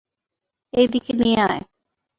এই দিকে নিয়ে আয়।